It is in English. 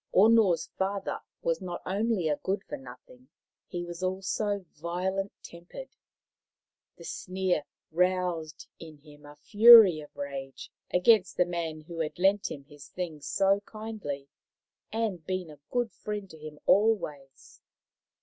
Ono's father was not only a good for nothing, he was also violent tempered. The sneer roused in him a fury of rage against the man who had lent him his things so kindly and been a good friend to him always.